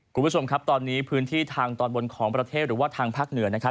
คุณผู้ชมครับตอนนี้พื้นที่ทางตอนบนของประเทศหรือว่าทางภาคเหนือนะครับ